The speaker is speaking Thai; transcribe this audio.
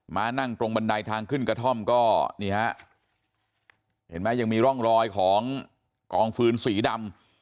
มานั่งตรงบันไดทางขึ้นกระท่อมก็นี่ฮะเห็นไหมยังมีร่องรอยของกองฟืนสีดำ